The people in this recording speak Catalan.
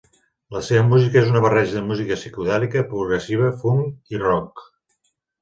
La seva música és una barreja de música psicodèlica, progressiva, funk i rock.